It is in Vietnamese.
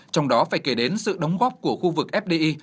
trong đó phải kể đến sự đóng góp của khu vực fdi